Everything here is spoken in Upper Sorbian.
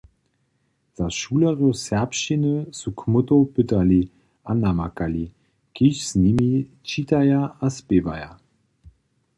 Za šulerjow serbšćiny su kmótow pytali a namakali, kiž z nimi čitaja a spěwaja.